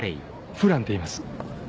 フランっていいます。